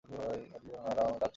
হাতগুলো নাড়াও, রাজকন্যা।